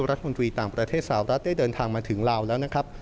รัฐมนตรีต่างประเทศสาวรัฐได้เดินทางมาถึงลาวแล้วนะครับ